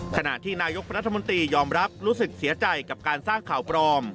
ขณะที่นายกรัฐมนตรียอมรับรู้สึกเสียใจกับการสร้างข่าวปลอม